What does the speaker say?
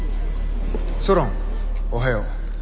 ソロンおはよう。